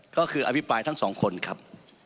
ก็คืออธิบายท่านสองคนครับ